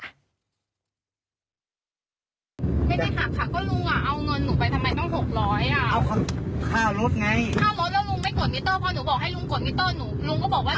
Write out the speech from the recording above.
อย่างนี้คือคือนั่นยังไงครับเงินค่ารถคะ